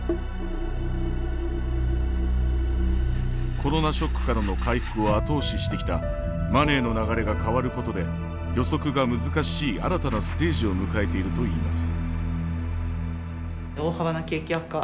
コロナショックからの回復を後押ししてきたマネーの流れが変わることで予測が難しい新たなステージを迎えているといいます。